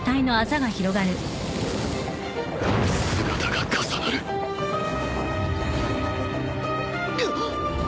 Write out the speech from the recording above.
姿が重なるぬっ！？